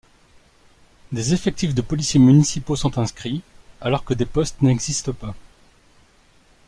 Des effectifs de policiers municipaux sont inscrits alors que des postes n'existent pas.